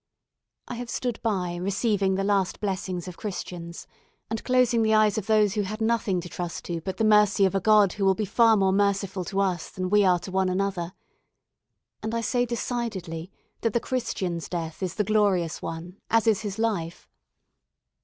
I have stood by receiving the last blessings of Christians; and closing the eyes of those who had nothing to trust to but the mercy of a God who will be far more merciful to us than we are to one another; and I say decidedly that the Christian's death is the glorious one, as is his life.